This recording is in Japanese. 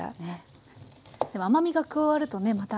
でも甘みが加わるとねまた。